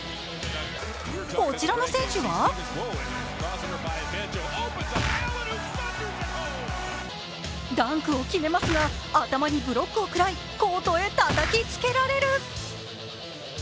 こちらの選手はダンクを決めますが、頭にブロックを食らいコートへたたきつけられる。